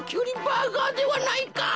バーガーではないか。